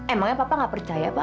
emangnya papa nggak percaya pak